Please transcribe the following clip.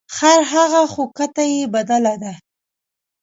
خر هغه خو کته یې بدله ده.